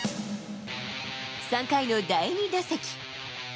３回の第２打席。